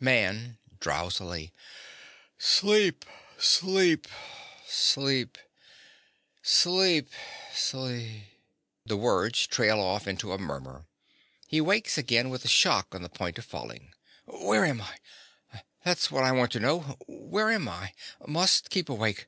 _) MAN. (drowsily). Sleep, sleep, sleep, sleep, slee—(The words trail off into a murmur. He wakes again with a shock on the point of falling.) Where am I? That's what I want to know: where am I? Must keep awake.